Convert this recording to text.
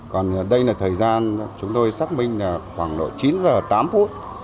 còn đây là thời gian chúng tôi xác minh là khoảng độ chín h tám phút